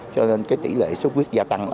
cho nên cái tỷ lệ sốt huyết gia tăng